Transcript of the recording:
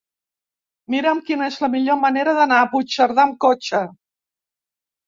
Mira'm quina és la millor manera d'anar a Puigcerdà amb cotxe.